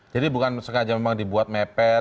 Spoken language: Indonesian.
jadi bukan sekejap memang dibuat mepet